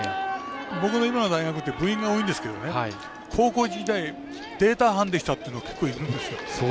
僕の今の大学って部員が多いんですけど高校時代、データ班でしたって人、結構いるんですよ。